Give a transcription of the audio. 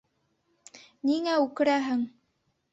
Ниңә үкерәһең?